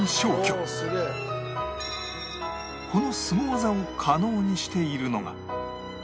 このすご技を可能にしているのが